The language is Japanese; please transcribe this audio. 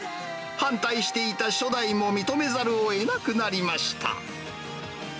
反対していた初代も認めざるをえなくなりました。